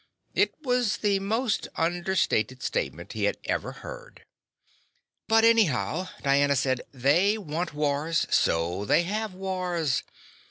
It was the most understated statement he had ever heard. "But anyhow," Diana said, "they want wars, so they have wars.